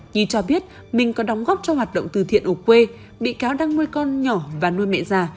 nhi cho biết mình có đóng góp cho hoạt động từ thiện ở quê bị cáo đang nuôi con nhỏ và nuôi mẹ già